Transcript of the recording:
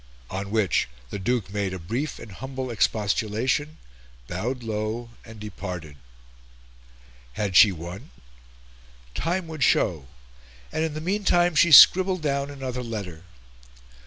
On which the Duke made a brief and humble expostulation, bowed low, and departed. Had she won? Time would show; and in the meantime she scribbled down another letter.